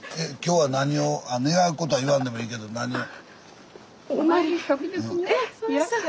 願うことは言わんでもいいけど何を？